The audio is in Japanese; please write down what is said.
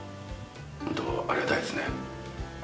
ホントありがたいですね。